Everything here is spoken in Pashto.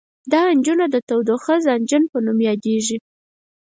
دا انجنونه د تودوخیز انجن په نوم یادیږي.